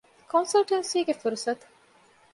ކޮންސަލްޓަންސީގެ ފުރުސަތު